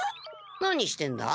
何してんだ？